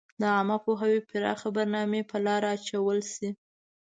د عامه پوهاوي پراخي برنامي په لاره واچول شي.